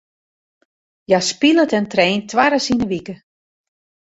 Hja spilet en traint twaris yn de wike.